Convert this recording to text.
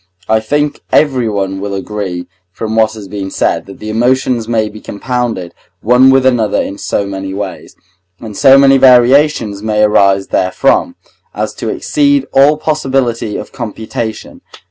I think everyone will agree from what has been said, that the emotions may be compounded one with another in so many ways, and so many variations may arise therefrom, as to exceed all possibility of computation.